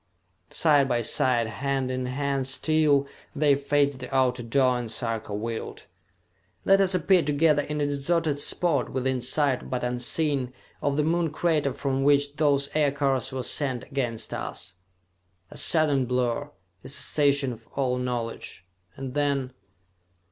Side by side, hand in hand still, they faced the outer door, and Sarka willed: "Let us appear together in a deserted spot, within sight but unseen, of the Moon crater from which those aircars were sent against us!" A sudden blur, a cessation of all knowledge, and then....